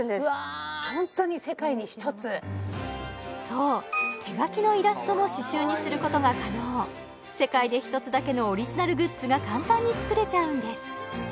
そう手書きのイラストも刺繍にすることが可能世界で一つだけのオリジナルグッズが簡単に作れちゃうんです